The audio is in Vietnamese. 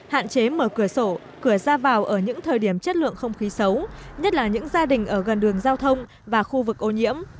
hạn chế mở cửa sổ cửa ra vào ở những thời điểm chất lượng không khí xấu nhất là những gia đình ở gần đường giao thông và khu vực ô nhiễm